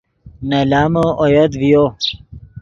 نے لامو اویت ڤیو